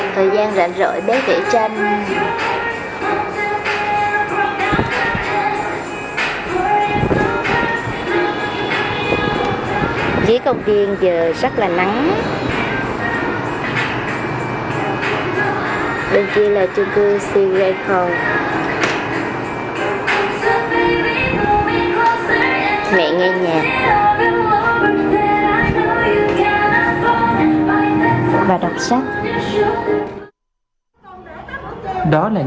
thời gian rảnh rỗi bé thủy tranh